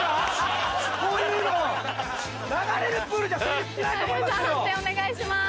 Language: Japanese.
判定お願いします。